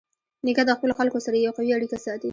نیکه د خپلو خلکو سره یوه قوي اړیکه ساتي.